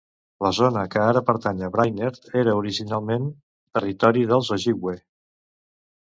La zona que ara pertany a Brainerd era originalment territori dels Ojibwe.